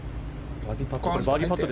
バーディーパット。